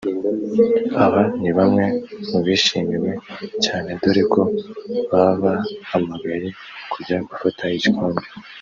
Aba ni bamwe mu bishimiwe cyane dore ko babahamagaye kujya gufata igikombe